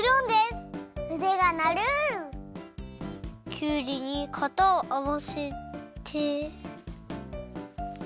きゅうりにかたをあわせて。